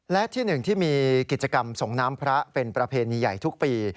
และที่หนึ่งที่มีกิจกรรมส่งน้ำพระเป็นประเพณีใหญ่ทุกปี